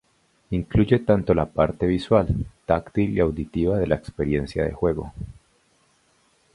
Incluye tanto la parte visual, táctil y auditiva de la experiencia de juego.